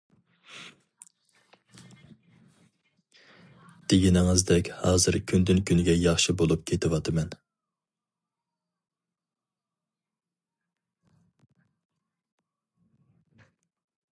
دېگىنىڭىزدەك ھازىر كۈندىن-كۈنگە ياخشى بولۇپ كېتىۋاتىمەن.